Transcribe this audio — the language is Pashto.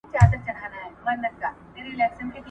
که هلک بیا وخاندي انا به ډېره خوشحاله شي.